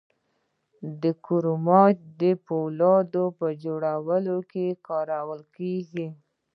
کرومایټ د فولادو په جوړولو کې کارول کیږي.